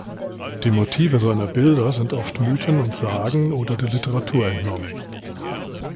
Die Motive seiner Bilder sind oft Mythen und Sagen oder der Literatur entnommen.